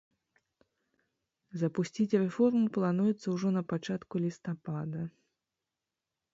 Запусціць рэформу плануецца ўжо напачатку лістапада.